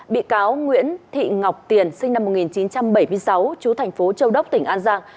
bị cáo nguyễn thị ngọc tiền sinh năm một nghìn chín trăm bảy mươi sáu chú thành phố châu đốc tỉnh an giang